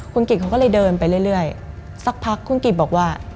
คุณกิจเขาก็เลยเดินไปเรื่อยสักพักคุณกิจบอกว่า